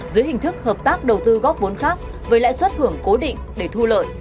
dưới hình thức hợp tác đầu tư góp vốn khác với lẽ xuất hưởng cố định để thu lợi